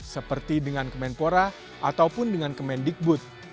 seperti dengan kemenpora ataupun dengan kemen dikbut